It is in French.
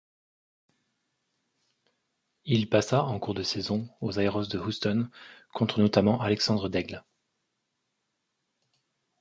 Il passa en cours de saison aux Aeros de Houston contre notamment Alexandre Daigle.